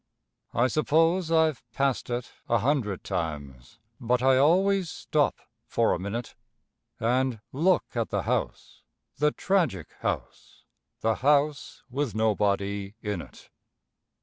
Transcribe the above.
I suppose I've passed it a hundred times, but I always stop for a minute And look at the house, the tragic house, the house with nobody in it.